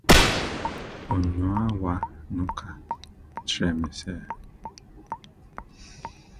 Onuawa no ka kyerɛɛ me sɛ